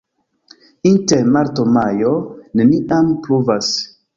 Inter marto-majo neniam pluvas.